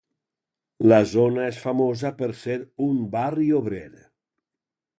La zona és famosa per ser un barri obrer.